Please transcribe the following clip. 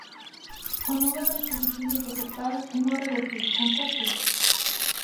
O número de positivos detectados é moi reducido, tan só seis.